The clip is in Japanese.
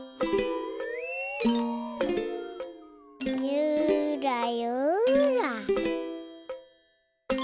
ゆらゆら。